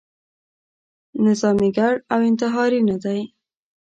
نظاميګر او انتحاري نه دی.